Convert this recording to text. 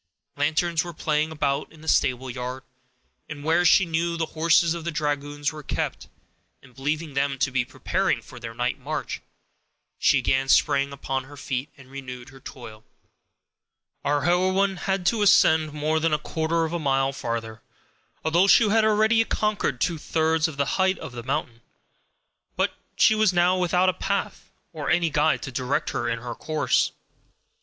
Lanterns were playing about in the stable yard, where she knew the horses of the dragoons were kept, and believing them to be preparing for their night march, she again sprang upon her feet, and renewed her toil. Our heroine had to ascend more than a quarter of a mile farther, although she had already conquered two thirds of the height of the mountain. But she was now without a path or any guide to direct her in her course.